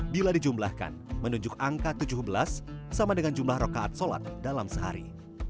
bila dijumlahkan menunjuk angka tujuh belas sama dengan jumlah rokaat sholat dalam sehari